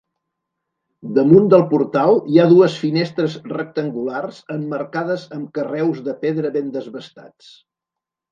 Damunt del portal hi ha dues finestres rectangulars emmarcades amb carreus de pedra ben desbastats.